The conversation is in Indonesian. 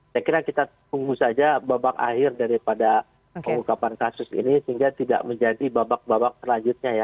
saya kira kita tunggu saja babak akhir daripada pengungkapan kasus ini sehingga tidak menjadi babak babak selanjutnya ya